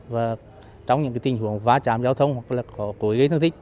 và trong những tình huống vãi trạm giao thông hoặc là cổ gây thương tích